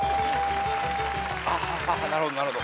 あなるほどなるほど。